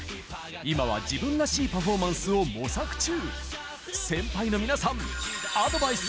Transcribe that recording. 今は自分らしいパフォーマンスを模索中！